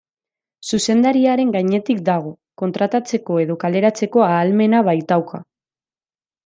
Zuzendariaren gainetik dago, kontratatzeko edo kaleratzeko ahalmena baitauka.